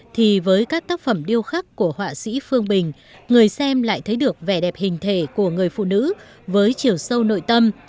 thì với các tác phẩm điêu khắc của họa sĩ phương bình người xem lại thấy được vẻ đẹp hình thể của người phụ nữ với chiều sâu nội tâm